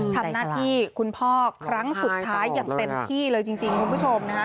ทำหน้าที่คุณพ่อครั้งสุดท้ายอย่างเต็มที่เลยจริงคุณผู้ชมนะคะ